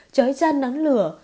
trói chan nắng lửa